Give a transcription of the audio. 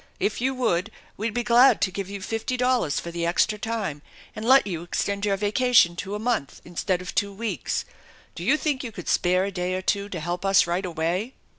If you would we'd be glad to give you fifty dollars for the extra time, and let you extend your vacation to a month instead of two weeks. Do you think you could spare a day or two to help us right away?"